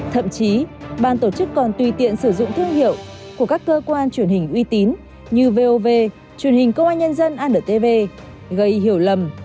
thậm chí ban tổ chức còn tùy tiện sử dụng thương hiệu của các cơ quan truyền hình uy tín như vov truyền hình công an nhân dân antv gây hiểu lầm